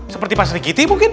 seperti pak serikiti mungkin